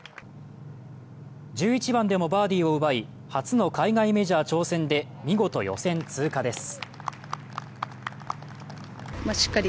１１番でもバーディーを奪い、初の海外メジャー挑戦で見事、予選通過です。